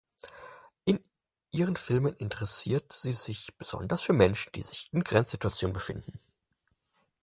In ihren Filmen interessiert sie sich besonders für Menschen, die sich in Grenzsituationen befinden.